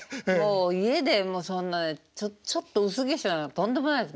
家でもうそんなちょっと薄化粧なんてとんでもないです